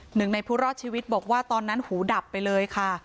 หนึ่งในผู้รอดชีวิตบอกว่าตอนนั้นหูดับไปเลยค่ะ